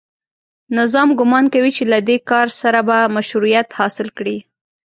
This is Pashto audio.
نظام ګومان کوي چې له دې کار سره به مشروعیت حاصل کړي